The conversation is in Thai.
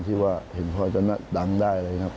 ที่ว่าเห็นพอจะดังได้เลยครับ